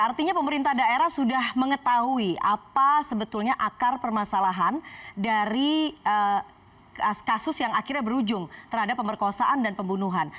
artinya pemerintah daerah sudah mengetahui apa sebetulnya akar permasalahan dari kasus yang akhirnya berujung terhadap pemerkosaan dan pembunuhan